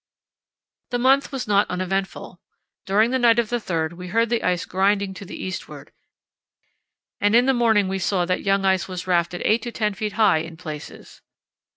The month was not uneventful. During the night of the 3rd we heard the ice grinding to the eastward, and in the morning we saw that young ice was rafted 8 to 10 ft. high in places.